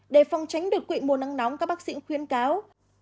để phòng tránh đột quỵ mùa nắng nóng các bác sĩ khuyên cáo